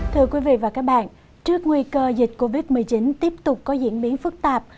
thưa quý vị và các bạn trước nguy cơ dịch covid một mươi chín tiếp tục có diễn biến phức tạp